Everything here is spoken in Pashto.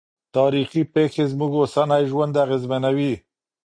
تاریخي پېښې زموږ اوسنی ژوند اغېزمنوي.